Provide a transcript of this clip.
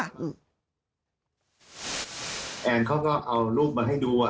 แอลล์เขาก็เอารูปมาให้ดู